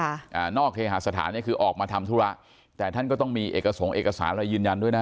อ่านอกเคหาสถานเนี้ยคือออกมาทำธุระแต่ท่านก็ต้องมีเอกสงคเอกสารอะไรยืนยันด้วยนะ